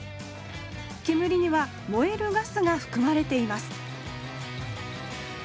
煙には燃えるガスがふくまれています